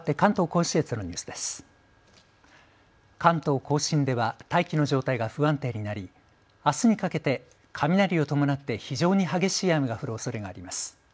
甲信では大気の状態が不安定になりあすにかけて雷を伴って非常に激しい雨が降るおそれがあります。